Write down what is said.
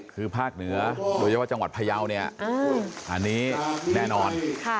คือภาคเหนือโดยเฉพาะจังหวัดพยาวเนี่ยอันนี้แน่นอน